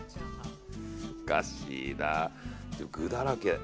おかしいな、具だらけ。